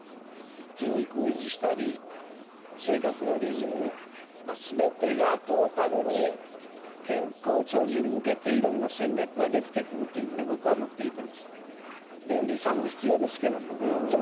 筋肉を維持したり生活のリズム全てがトータルに健康長寿に向けていろんな戦略ができてくるというふうに僕は思っていてですね。